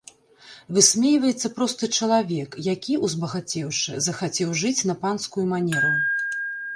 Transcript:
Высмейваецца просты чалавек, які, узбагацеўшы, захацеў жыць на панскую манеру.